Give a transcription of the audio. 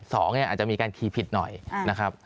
สองเนี่ยอาจจะมีการคีย์ผิดหน่อยนะครับ